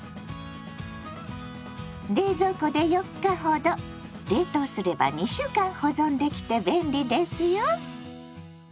冷蔵庫で４日ほど冷凍すれば２週間保存できて便利ですよ。